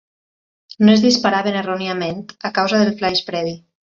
No es disparaven erròniament a causa del flaix previ.